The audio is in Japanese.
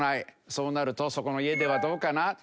そうなるとそこの家ではどうかな？